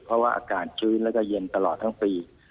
เพราะว่าอากาศชื้นแล้วก็เย็นตลอดทั้งปี